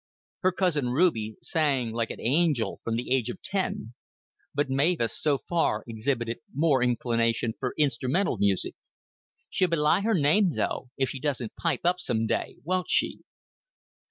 Her cousin Ruby sang like an angel from the age of ten; but Mavis so far exhibited more inclination for instrumental music. "She'll belie her name, though, if she doesn't pipe up some day, won't she?"